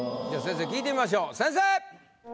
では先生聞いてみましょう先生！